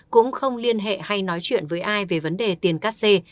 cũng không liên hệ hay nói chuyện với ai về vấn đề tiền cắt xe